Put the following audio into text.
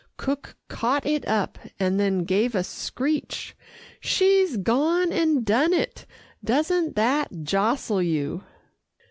Cook caught it up, and then gave a screech. "She's gone and done it doesn't that jostle you!"